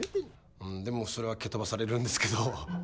でもそれは蹴飛ばされるんですけど。